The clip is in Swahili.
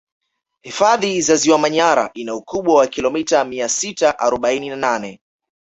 hfadhi ya ziwa manyara ina ukubwa wa kilomita mia sita arobaini na nane